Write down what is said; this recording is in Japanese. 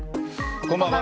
こんばんは。